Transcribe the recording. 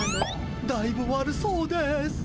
だいぶわるそうです。